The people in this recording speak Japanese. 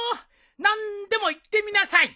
何でも言ってみなさい。